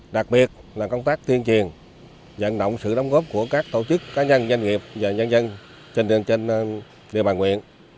đặc biệt là công tác tuyên truyền dẫn động sự đóng góp của các tổ chức cá nhân doanh nghiệp và nhân dân trên địa bàn nguyện